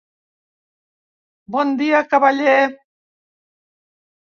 Bon dia, cavaller.